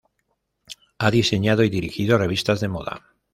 Ha diseñado y dirigido revistas de moda.